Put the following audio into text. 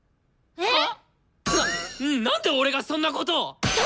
えっ！？